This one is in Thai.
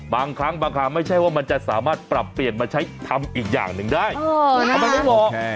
บางครั้งบางครั้งไม่ใช่ว่ามันจะสามารถปรับเปลี่ยนมาใช้ทำอีกอย่างหนึ่งได้ทำไมไม่บอก